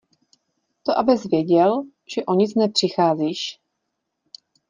To abys věděl, že o nic nepřicházíš.